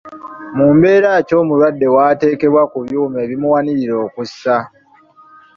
Mu mbeera ki omulwadde w'ateekebwa ku byuma ebimuwanirira okussa?